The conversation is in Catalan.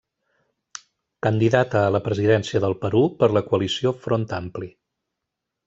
Candidata a la presidència del Perú per la coalició Front Ampli.